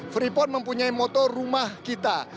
freeport mempunyai motor rumah kita